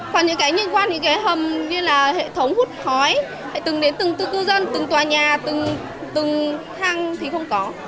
còn những hệ thống hút khói từng đến từng tư cư dân từng tòa nhà từng thang thì không có